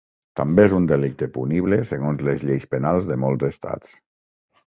També és un delicte punible segons les lleis penals de molts estats.